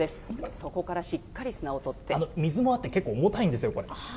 そこからしっかり水もあって、結構重たいんですよ。